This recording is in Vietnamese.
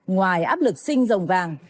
ngoài áp lực sinh dòng vàng